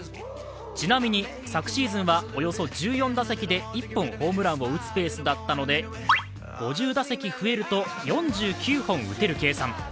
ちなみに昨シーズンはおよそ１４打席で１本ホームランを打つペースだったので５０打席増えると４０本打てる計算。